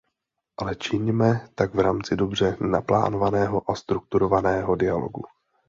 Ale čiňme tak v rámci dobře naplánovaného a strukturovaného dialogu.